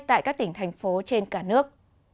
tại các tỉnh thành phố trên cả nước